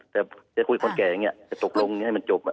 แต่จะคุยคนแก่อย่างนี้จะตกลงให้มันจบ